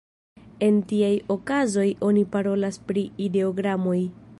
En tiaj okazoj oni parolas pri ideogramoj.